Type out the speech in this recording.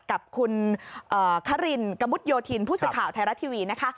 กับคุณคารินกะมุดโยธินผู้สื่อข่าวไทยรัฐทีวีนะคะ